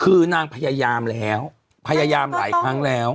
คือนางพยายามแล้วพยายามหลายครั้งแล้ว